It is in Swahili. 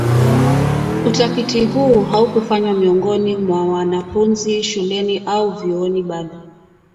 Utafiti huu haukufanywa miongoni mwa wanafunzi shuleni au vyuoni bali